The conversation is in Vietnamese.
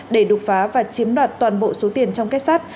để đục phá và chiếm đoạt toàn bộ số tiền trong kép sát